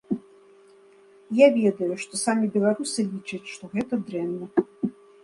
І я ведаю, што самі беларусы лічаць, што гэта дрэнна.